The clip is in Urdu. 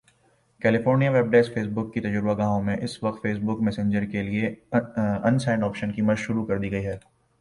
California web desk Facebook کی تجربہ گاہوں میں اس وقت فیس بک میسنجر کے لیے ان سینڈ آپشن کی مشق شروع کردی گئی ہے